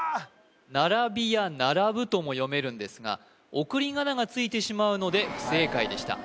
ならびやならぶとも読めるんですが送り仮名がついてしまうので不正解でした